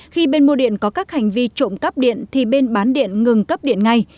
khi bên mua điện có các hành vi trộm cắp điện thì bên bán điện ngừng cấp điện ngay